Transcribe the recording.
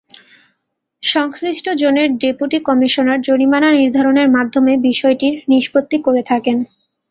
সংশ্লিষ্ট জোনের deputy commissioner জরিমানা নির্ধারণের মাধ্যমে বিষয়টির নিষ্পত্তি করে থাকেন।